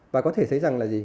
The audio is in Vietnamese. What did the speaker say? và có thể thấy rằng là gì